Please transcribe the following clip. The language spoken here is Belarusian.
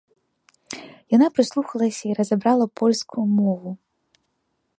Яна прыслухалася і разабрала польскую мову.